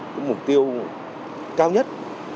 những mục tiêu cao nhất